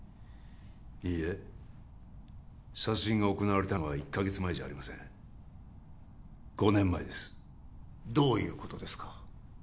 いいえ殺人が行われたのは１カ月前じゃありません５年前ですどういうことですか？